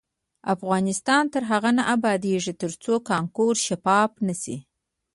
افغانستان تر هغو نه ابادیږي، ترڅو کانکور شفاف نشي.